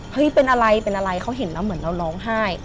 เป็นอะไรเป็นอะไรเขาเห็นแล้วเหมือนเราร้องไห้